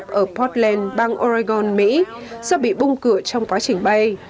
bên cấp ở portland bang oregon mỹ do bị bung cửa trong quá trình bay